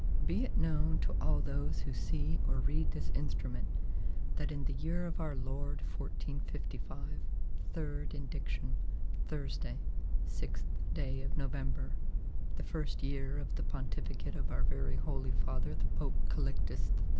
Be it known to all those who see or read this instrument, that in the year of our Lord 1455, third indiction, Thursday, 6th day of November, the first year of the Pontificate of our very Holy Father the Pope Calixtus III.